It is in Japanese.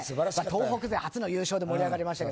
東北で初の優勝で盛り上がりました。